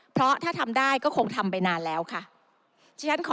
เพราะถ้าทำได้ก็คงทำไปนานแล้วค่ะ